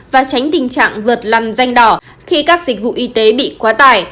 và tránh tình trạng vượt lòng danh đỏ khi các dịch vụ y tế bị quá tải